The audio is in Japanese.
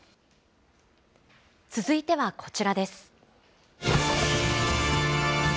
続いてはこちらです。